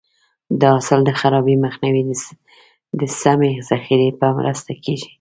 د حاصل د خرابي مخنیوی د سمې ذخیرې په مرسته کېږي.